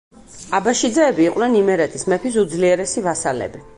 აბაშიძეები იყვნენ იმერეთის მეფის უძლიერესი ვასალები.